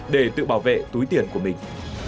để tự bảo vệ túi tiền của mình